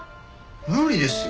無理ですよ。